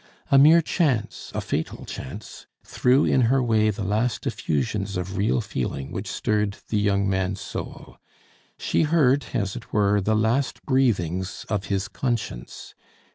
A mere chance a fatal chance threw in her way the last effusions of real feeling which stirred the young man's soul; she heard as it were the last breathings of his conscience.